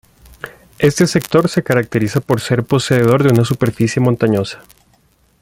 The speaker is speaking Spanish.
Este sector se caracteriza por ser poseedor de una superficie montañosa.